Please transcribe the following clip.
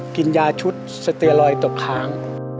กินยาชุดสเตียลอยตกค้าง